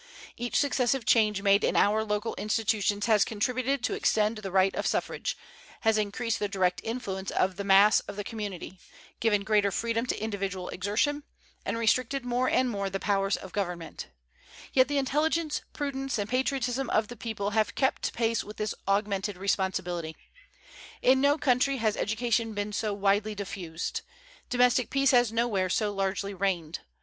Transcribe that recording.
Each successive change made in our local institutions has contributed to extend the right of suffrage, has increased the direct influence of the mass of the community, given greater freedom to individual exertion, and restricted more and more the powers of Government; yet the intelligence, prudence, and patriotism of the people have kept pace with this augmented responsibility. In no country has education been so widely diffused. Domestic peace has nowhere so largely reigned.